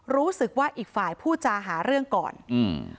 รู้สึกว่าอีกฝ่ายพูดจาหาเรื่องก่อนอืม